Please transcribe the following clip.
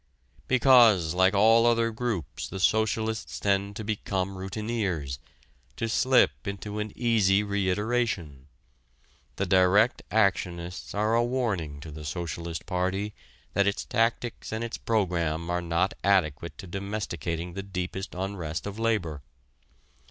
Because, like all other groups, the socialists tend to become routineers, to slip into an easy reiteration. The direct actionists are a warning to the Socialist Party that its tactics and its program are not adequate to domesticating the deepest unrest of labor.